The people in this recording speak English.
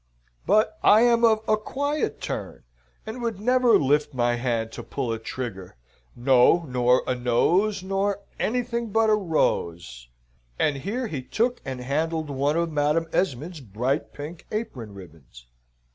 But I am of a quiet turn, and would never lift my hand to pull a trigger, no, nor a nose, nor anything but a rose," and here he took and handled one of Madam Esmond's bright pink apron ribbons.